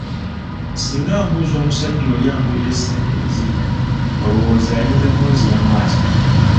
Singa mbuuza omusajja oli ambuulire ssente we ziri, olowooza ayinza kunziramu atya?